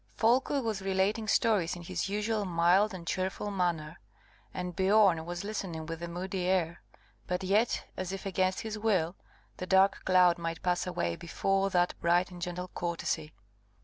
Folko was relating stories in his usual mild and cheerful manner, and Biorn was listening with a moody air, but yet as if, against his will, the dark cloud might pass away before that bright and gentle courtesy.